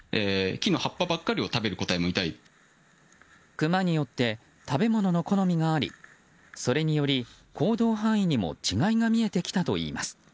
クマによって食べ物の好みがありそれにより、行動範囲にも違いが見えてきたといいます。